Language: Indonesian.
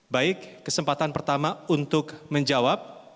baik kesempatan pertama untuk menjawab